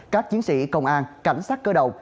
các chiến sĩ công an cảnh sát cơ động